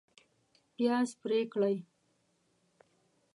پیاز پرې کړئ